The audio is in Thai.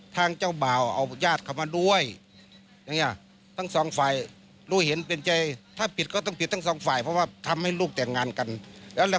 ทางเจ้าบ่าวเอาญาติเขามาด้วยทั้งสองฝ่ายรู้เห็นเป็นใจถ้าผิดก็ต้องผิดทั้งสองฝ่ายเพราะว่าทำให้ลูกแต่งงานกันแล้วแหละ